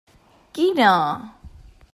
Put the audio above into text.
Quina?